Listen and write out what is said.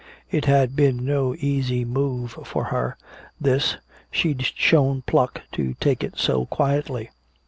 It had been no easy move for her, this, she'd shown pluck to take it so quietly.